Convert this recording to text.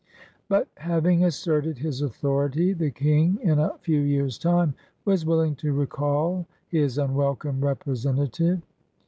But having asserted his authority, the King in a few years' time was willing to recall his imwelcome representative.